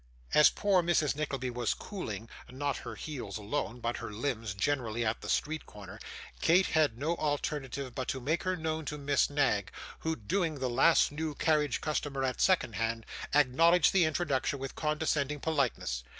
As poor Mrs. Nickleby was cooling not her heels alone, but her limbs generally at the street corner, Kate had no alternative but to make her known to Miss Knag, who, doing the last new carriage customer at second hand, acknowledged the introduction with condescending politeness.